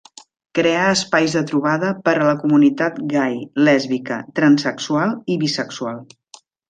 Crear espais de trobada per a la comunitat gai, lèsbica, transsexual i bisexual.